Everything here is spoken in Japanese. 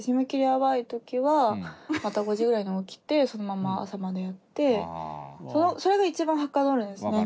ヤバい時はまた５時ぐらいに起きてそのまま朝までやってそれが一番はかどるんですね。